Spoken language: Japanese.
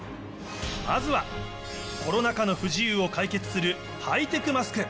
まずは、コロナ禍の不自由を解決するハイテクマスク。